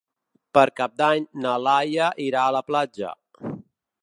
Per Cap d'Any na Laia irà a la platja.